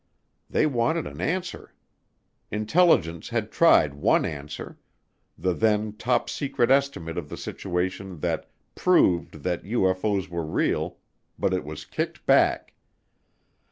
They wanted an answer. Intelligence had tried one answer, the then Top Secret Estimate of the Situation that "proved" that UFO's were real, but it was kicked back.